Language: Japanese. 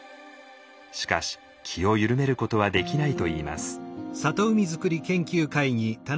しかし気を緩めることはできないといいます。